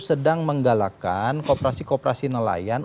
sedang menggalakkan koperasi koperasi nelayan